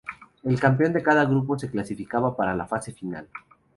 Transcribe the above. El campeón de cada grupo se clasificaba para la Fase final.